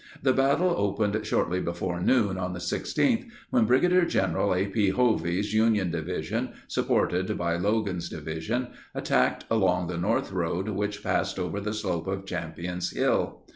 The battle opened shortly before noon on the 16th when Brig. Gen. A. P. Hovey's Union Division, supported by Logan's Division, attacked along the north road which passed over the slope of Champion's Hill.